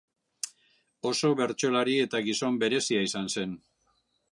Oso bertsolari eta gizon berezia izan zen.